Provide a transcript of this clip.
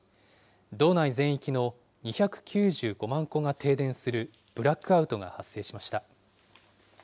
道内全域の２９５万戸が停電するブラックアウトが発生しました。